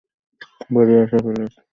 বেরিয়ে এসো, প্লীজ?